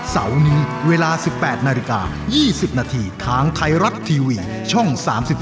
เสาร์นี้เวลา๑๘นาฬิกา๒๐นาทีทางไทยรัฐทีวีช่อง๓๒